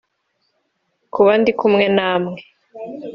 kuba ndi kumwe na mwe